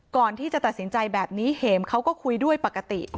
ก่อนที่จะตัดสินใจแบบนี้เห็มเขาก็คุยด้วยปกติ